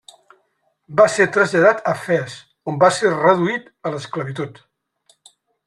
Va ser traslladat a Fes, on va ser reduït a l'esclavitud.